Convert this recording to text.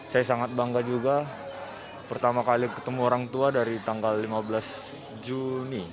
saya sangat bangga juga pertama kali ketemu orang tua dari tanggal lima belas juni